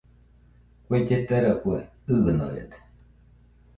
Kue lletarafue ɨɨnorede